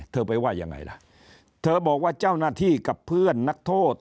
ไปว่ายังไงล่ะเธอบอกว่าเจ้าหน้าที่กับเพื่อนนักโทษ